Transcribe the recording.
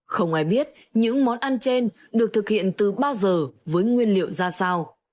không ai biết những món ăn trên được thực hiện từ bao giờ với nguyên liệu ra sao